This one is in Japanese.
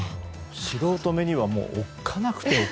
素人目にはおっかなくて。